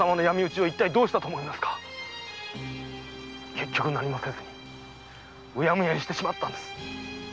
結局何もせずうやむやにしたんです。